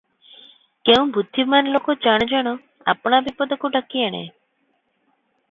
କେଉଁ ବୁଦ୍ଧିମାନ ଲୋକ ଜାଣୁ ଜାଣୁ ଆପଣା ବିପଦକୁ ଡାକିଆଣେ?